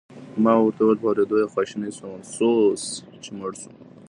ما ورته وویل: په اورېدو یې خواشینی شوم، افسوس چې مړ شو.